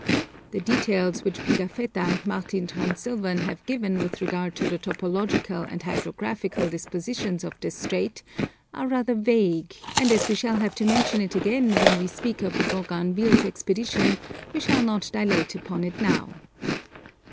The details which Pigafetta and Martin Transylvain have given with regard to the topographical and hydrographical dispositions of this strait are rather vague, and as we shall have to mention it again when we speak of De Bougainville's expedition, we shall not dilate upon it now.